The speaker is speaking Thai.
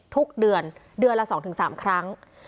ทุกเดือนละ๒๓ครั้ง